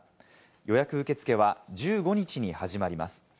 予約受付は１５日に始まります。